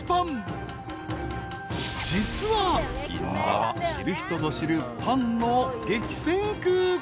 ［実は銀座は知る人ぞ知るパンの激戦区］